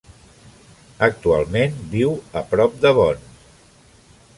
Actualment viu a prop de Bonn.